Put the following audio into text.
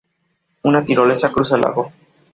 Una tirolesa cruza el lago.